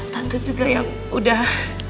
tante juga yang udah